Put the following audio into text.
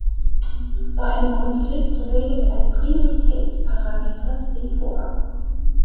Bei einem Konflikt regelt ein Prioritäts-Parameter den Vorrang.